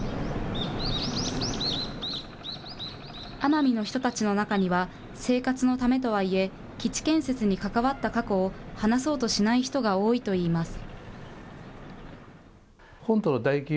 奄美の人たちの中には、生活のためとはいえ、基地建設に関わった過去を話そうとしない人が多いといいます。